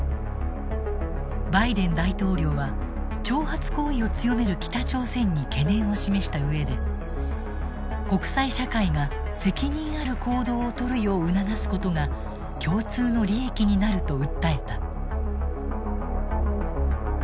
バイデン大統領は挑発行為を強める北朝鮮に懸念を示した上で国際社会が責任ある行動をとるよう促すことが共通の利益になると訴えた。